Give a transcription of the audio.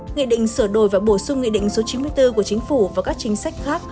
nghị định sửa đổi và bổ sung nghị định số chín mươi bốn của chính phủ và các chính sách khác